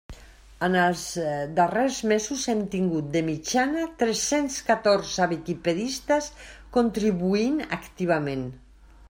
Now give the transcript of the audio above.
En els darrers mesos hem tingut, de mitjana, tres-cents catorze viquipedistes contribuint activament.